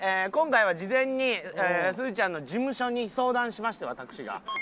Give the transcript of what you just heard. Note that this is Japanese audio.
今回は事前にすずちゃんの事務所に相談しました私が。